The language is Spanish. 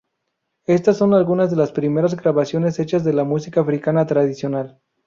Estas son algunas de las primeras grabaciones hechas de música africana tradicional.